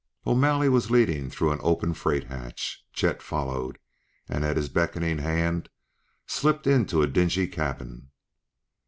O'Malley was leading through an open freight hatch; Chet followed, and, at his beckoning hand, slipped into a dingy cabin.